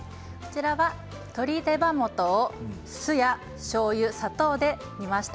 鶏手羽元を酢やしょうゆ砂糖で煮ました。